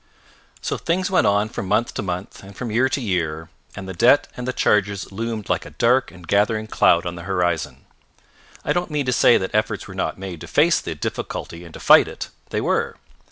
So things went on from month to month, and from year to year, and the debt and the charges loomed like a dark and gathering cloud on the horizon. I don't mean to say that efforts were not made to face the difficulty and to fight it. They were.